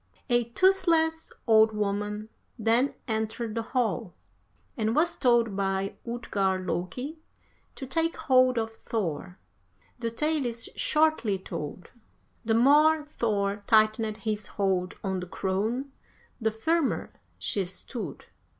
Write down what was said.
53. "A toothless old woman then entered the hall, and was told by Utgard Loki to take hold of Thor. The tale is shortly told. The more Thor tightened his hold on the crone the firmer she stood.